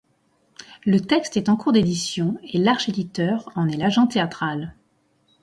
Le texte est en cours d'édition et L'Arche éditeur en est l'agent théâtral.